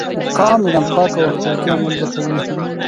کاملاً پاک او اخلاقي عمل به کوي.